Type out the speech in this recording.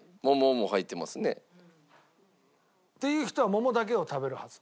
いう人は桃だけを食べるはず。